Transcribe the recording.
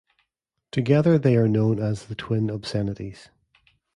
Together, they are known as the "Twin Obscenities".